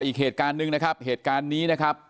อีกเหตุการณ์หนึ่งนะครับเหตุการณ์นี้นะครับ